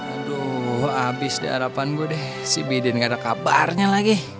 aduh abis deh harapan gue deh si biden gak ada kabarnya lagi